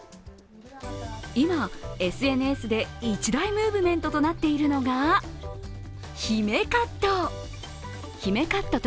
今、ＳＮＳで一大ムーブメントとなっているのが姫カット。